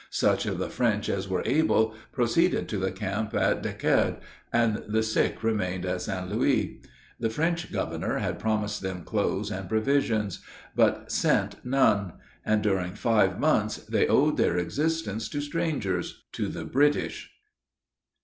Such of the French as were able, proceeded to the camp at Daceard, and the sick remained at St. Louis. The French governor had promised them clothes and provisions, but sent none; and during five months, they owed their existence to strangers to the British.